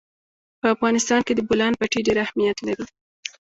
په افغانستان کې د بولان پټي ډېر اهمیت لري.